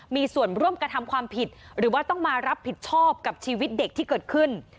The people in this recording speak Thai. มีส่วนร่วมกระทำความผิดหรือว่าต้องมารับผิดชอบกับชีวิตเด็กที่เกิดขึ้น